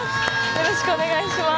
よろしくお願いします。